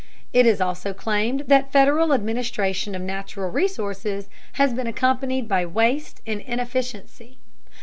It is also claimed that Federal administration of natural resources has been accompanied by waste and inefficiency.